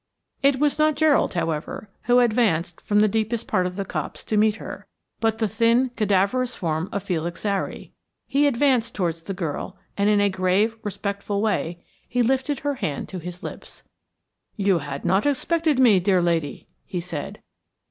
It was not Gerald, however, who advanced from the deepest part of the copse to meet her, but the thin, cadaverous form of Felix Zary. He advanced towards the girl, and, in a grave, respectful way, he lifted her hand to his lips. "You had not expected me, dear lady," he said.